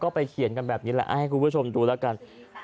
ไปเขียนกันแบบนี้แหละให้คุณผู้ชมดูแล้วกัน